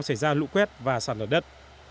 xảy ra lũ khuét và sạt lở đất